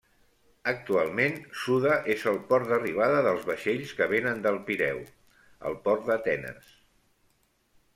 Actualment, Suda és el port d'arribada dels vaixells que vénen del Pireu, el port d'Atenes.